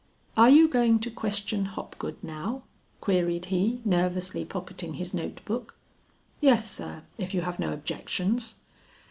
"Are you going to question Hopgood now?" queried he, nervously pocketing his note book. "Yes sir, if you have no objections."